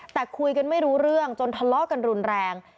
แต่คุยกันไม่รู้เรื่องจนทะเลาะกันรุนแรง